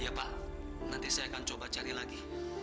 ya pak nanti saya akan coba cari lagi